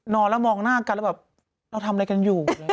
แล้วมองหน้ากันแล้วแบบเราทำอะไรกันอยู่